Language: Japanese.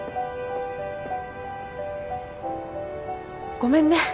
ごめんね。